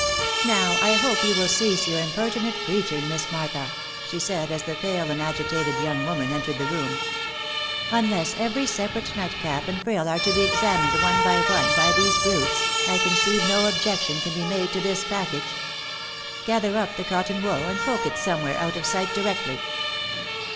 " Now I hope you will cease your impertinent preaching, Miss Martha," she said, as the pale and agitated young woman entered the room. u Unless every separate nightcap and frill are to be examined one by one by these brutes, I conceive no objection can be made to this package. Gather up the cotton wool, and poke it somewhere out of sight directly."